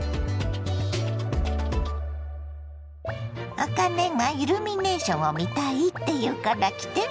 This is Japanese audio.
あかねがイルミネーションを見たいって言うから来てみたの。